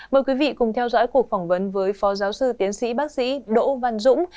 mời quý vị cùng theo dõi cuộc phỏng vấn với phó giáo sư tiến sĩ bác sĩ đỗ văn dũng